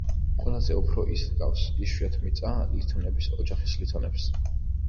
ყველაზე უფრო ის გავს იშვიათმიწა ლითონების ოჯახის ლითონებს.